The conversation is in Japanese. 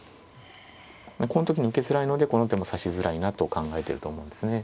この時に受けづらいのでこの手も指しづらいなと考えてると思うんですね。